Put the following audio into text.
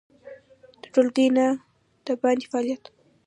د ټولګي نه د باندې فعالیت